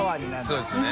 そうですね。